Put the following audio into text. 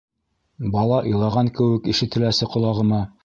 Бала илаған кеүек ишетеләсе ҡолағыма.